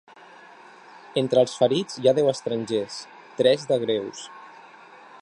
Entre els ferits hi ha deu estrangers, tres de greus.